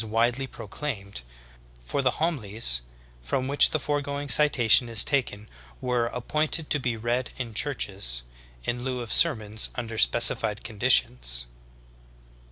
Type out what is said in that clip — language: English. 163 widely proclaimed, for the homilies from which the forego ing citation is taken were "appointed to be read in churches" in lieu of sermons under specified conditions.